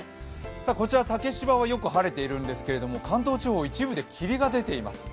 こちら竹芝はよく晴れているんですけど関東地方、一部で霧が出ています。